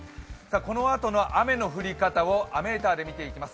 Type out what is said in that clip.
このあとの雨の降り方を雨ーターで見ていきます。